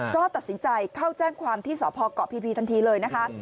ก็ตัดสินใจเข้าแจ้งความที่สพเกาะพีทันทีเลยนะคะ